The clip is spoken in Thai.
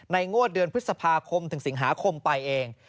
งวดเดือนพฤษภาคมถึงสิงหาคมไปเอง